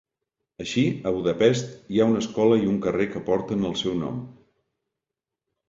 Així, a Budapest hi ha una escola i un carrer que porten el seu nom.